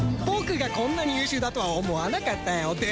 僕がこんなに優秀だとは思わなかったよ。